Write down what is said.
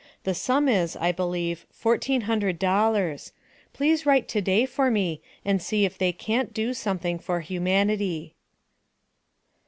The Sum is i believe 14 hundred Dollars Please write to day for me and see if the cant do something for humanity.